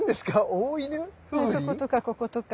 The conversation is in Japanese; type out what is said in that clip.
そことかこことか。